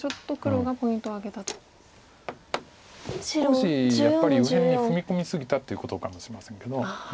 少しやっぱり右辺に踏み込み過ぎたっていうことかもしれませんけど。